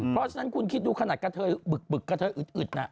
เพราะฉะนั้นคุณคิดดูขนาดกระเทยบึกกระเทยอึดน่ะ